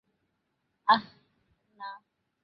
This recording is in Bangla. আহহ, না।